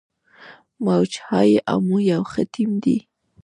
موج های امو یو ښه ټیم دی.